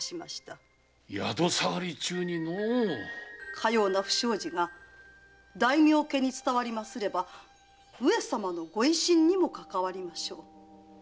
かような不祥事が大名家に伝わりますれば上様のご威信にもかかわりましょう。